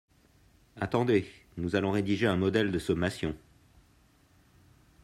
Attendez, nous allons rédiger un modèle de sommation.